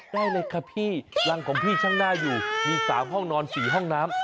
ได้เลยค่ะพี่รังของพี่ช่างหน้าอยู่มี๓ห้องนอน๔ห้องน้ำ